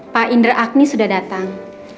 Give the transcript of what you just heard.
pak indra agni sudah datang